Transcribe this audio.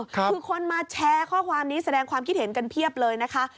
คือคนมาแชร์ข้อความนี้แสดงความคิดเห็นกันเพียบเลยนะคะ